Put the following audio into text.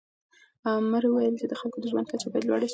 امر وویل چې د خلکو د ژوند کچه باید لوړه سي.